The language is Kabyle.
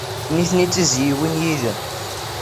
Nitni d tizzyiwin yid-m.